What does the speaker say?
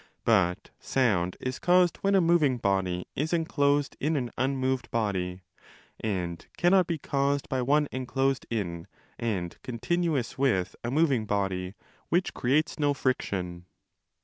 But sound is caused when a moving body is enclosed in an unmoved body, and cannot be caused by one enclosed in, and continuous with, a moving body which creates no friction.